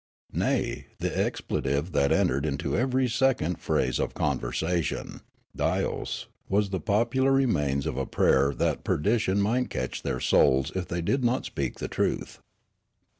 Nay, the expletive that entered into every second phrase of conversation —" dyoos" — was the popular remains of a prayer that perdition might catch their souls if thej^ did not speak the truth.